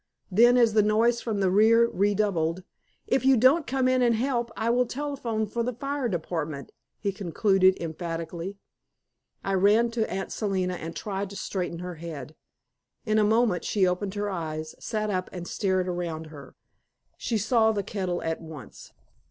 Then as the noise from the rear redoubled, "If you don't come in and help, I will telephone for the fire department," he concluded emphatically. I ran to Aunt Selina and tried to straighten her head. In a moment she opened her eyes, sat up and stared around her. She saw the kettle at once.